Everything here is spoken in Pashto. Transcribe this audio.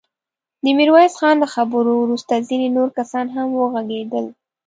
د ميرويس خان له خبرو وروسته ځينې نور کسان هم وغږېدل.